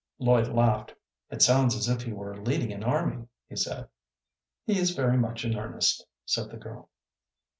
Lloyd laughed. "It sounds as if he were leading an army," he said. "He is very much in earnest," said the girl.